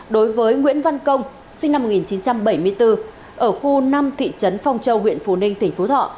đối với nguyễn văn công sinh năm một nghìn chín trăm bảy mươi bốn ở khu năm thị trấn phong châu huyện phú ninh tỉnh phú thọ